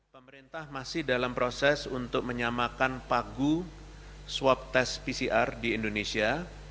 pemerintah masih dalam proses untuk menyamakan pagu swab tes pcr di indonesia